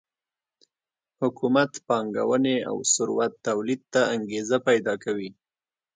حکومت پانګونې او ثروت تولید ته انګېزه پیدا کوي.